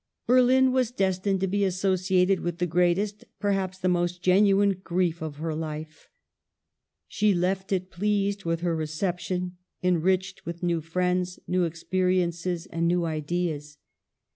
Berlin was destined to be associated with the greatest, perhaps the most genuine, grief of her life. She left it pleased with her reception, en riched with new friends, new experiences, and new ideas.